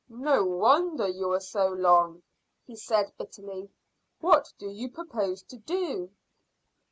"No wonder you were so long," he said bitterly. "What do you propose to do?"